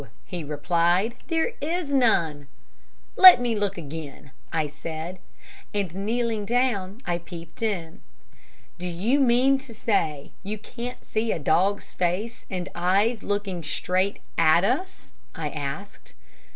he replied, "there is none!" "Let me look again!" I said, and kneeling down, I peeped in. "Do you mean to say you can't see a dog's face and eyes looking straight at us?" I asked.